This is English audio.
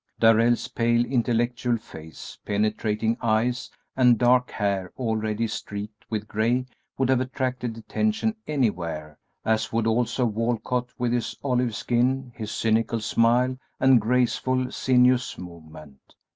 Darrell's pale, intellectual face, penetrating eyes, and dark hair already streaked with gray would have attracted attention anywhere, as would also Walcott with his olive skin, his cynical smile, and graceful, sinuous movement.